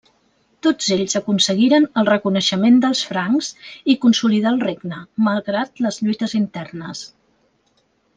Tots ells aconseguiren el reconeixement dels francs i consolidar el regne, malgrat les lluites internes.